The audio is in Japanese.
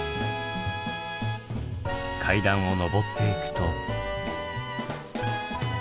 階段を上っていくと。